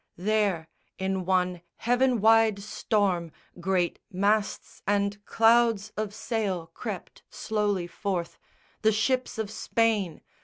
There, in one heaven wide storm, great masts and clouds Of sail crept slowly forth, the ships of Spain!